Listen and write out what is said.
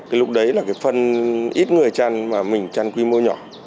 cái lúc đấy là cái phân ít người chăn mà mình chăn quy mô nhỏ